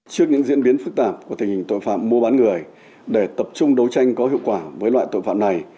trước những diễn biến phức tạp của tình hình tội phạm mua bán người để tập trung đấu tranh có hiệu quả với loại tội phạm này